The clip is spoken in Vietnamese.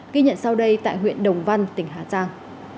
ghi nhận sau đây tại huyện đồng văn tỉnh hà giang